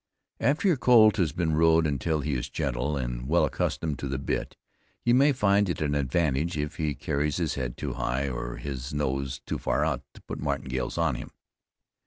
After your colt has been rode until he is gentle and well accustomed to the bit, you may find it an advantage if he carries his head too high, or his nose too far out, to put martingales on him.